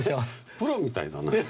「プロみたいだな」。